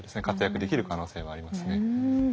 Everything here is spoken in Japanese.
活躍できる可能性はありますね。